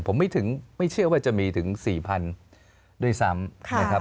ผมไม่ถึงไม่เชื่อว่าจะมีถึง๔๐๐๐ด้วยซ้ำนะครับ